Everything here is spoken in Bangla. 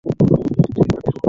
ঠিক আনির মতোই।